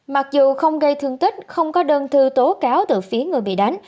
mặc dù không gây thương tích không có đơn thư tố cáo từ phía người bị đánh